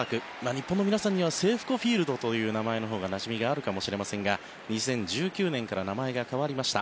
日本の皆さんにはセーフコ・フィールドという名前のほうがなじみがあるかもしれませんが２０１９年から名前が変わりました。